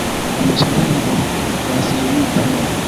wanashindana kwa kaaslimia kamoja